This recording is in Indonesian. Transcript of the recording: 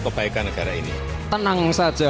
kebaikan negara ini tenang saja